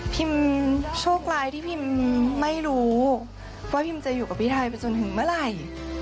โชคร้ายที่พิมไม่รู้ว่าพิมจะอยู่กับพี่ไทยไปจนถึงเมื่อไหร่